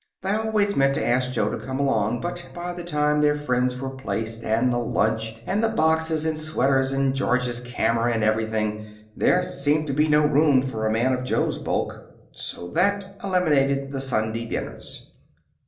They always meant to ask Jo to come along, but by the time their friends were placed, and the lunch, and the boxes, and sweaters, and George's camera, and everything, there seemed to be no room for a man of Jo's bulk. So that eliminated the Sunday dinners.